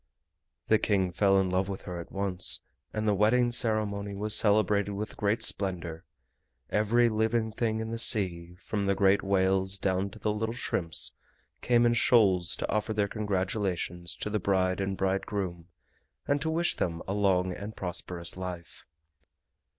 The King fell in love with her at once, and the wedding ceremony was celebrated with great splendor. Every living thing in the sea, from the great whales down to the little shrimps, came in shoals to offer their congratulations to the bride and bridegroom and to wish them a long and prosperous life.